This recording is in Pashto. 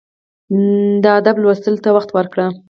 د ادب لوستلو ته وخت ورکړئ.